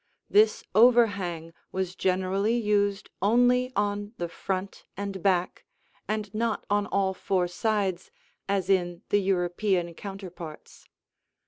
This overhang was generally used only on the front and back and not on all four sides, as in the European counterparts.